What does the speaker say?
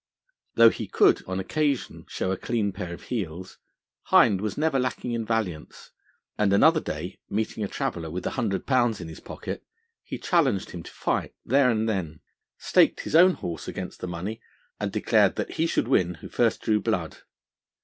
Though he could on occasion show a clean pair of heels, Hind was never lacking in valiance; and, another day, meeting a traveller with a hundred pounds in his pocket, he challenged him to fight there and then, staked his own horse against the money, and declared that he should win who drew first blood.